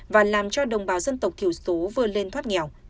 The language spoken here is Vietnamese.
và làm cho đồng bào dân tộc thiểu số vừa lên thoát nghèo